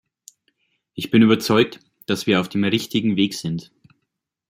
Ich bin überzeugt, dass wir auf dem richtigen Weg sind.